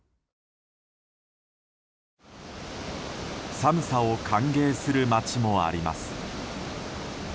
寒さを歓迎する町もあります。